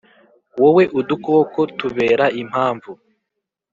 wowe udukoko tubera impamvu